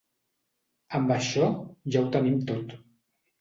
Amb això ja ho tenim tot.